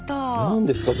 何ですか？